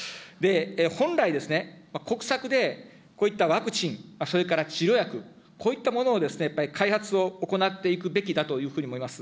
本来、国策でこういったワクチン、それから治療薬、こういったものを、やっぱり開発を行っていくべきだというふうに思います。